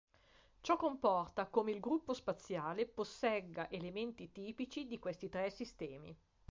Ciò comporta come il gruppo spaziale possegga elementi tipici di questi tre sistemi.